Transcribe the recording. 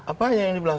apa yang di belakang